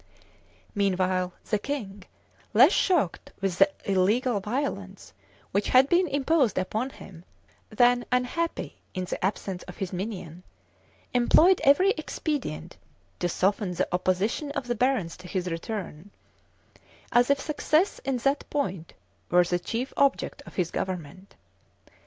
Meanwhile, the king, less shocked with the illegal violence which had been imposed upon him, than unhappy in the absence of his minion, employed every expedient to soften the opposition of the barons to his return; as if success in that point were the chief object of his government.